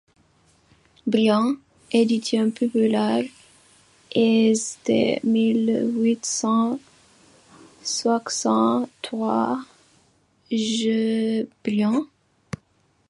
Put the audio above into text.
Brion. — Édition populaire Hetzel, mille huit cent soixante-trois G. Brion.